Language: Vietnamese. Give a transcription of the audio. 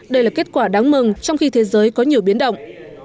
đây là kết quả đáng mừng trong khi thế giới có nhiều biến động